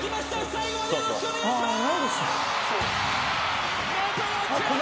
最後までよろしくお願いします！